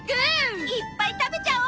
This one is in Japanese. いっぱい食べちゃおう！